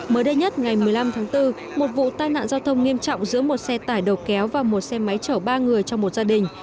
mới đây nhất ngày một mươi năm tháng bốn một vụ tai nạn giao thông nghiêm trọng giữa một xe tải đầu kéo và một xe máy chở ba người trong một gia đình